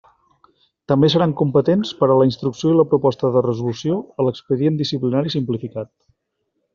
També seran competents per a la instrucció i la proposta de resolució a l'expedient disciplinari simplificat.